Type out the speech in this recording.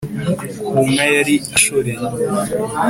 ku nka yari ashoreye.